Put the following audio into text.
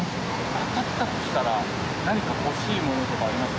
当たったら何か欲しいものとかありますか？